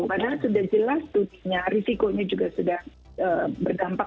padahal sudah jelas studinya risikonya juga sudah bergambar